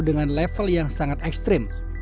dengan level yang sangat ekstrim